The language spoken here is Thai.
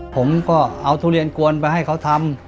ผมก็เอาทุเรียนกวนไปให้เขาทำ